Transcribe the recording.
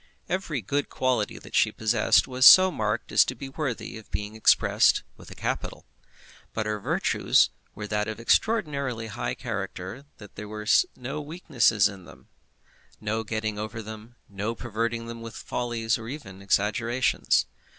Every good quality that she possessed was so marked as to be worthy of being expressed with a capital. But her virtues were of that extraordinarily high character that there was no weakness in them, no getting over them, no perverting them with follies or even exaggerations.